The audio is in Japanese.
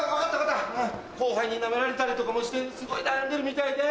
後輩にナメられたりとかもしてすごい悩んでるみたいで。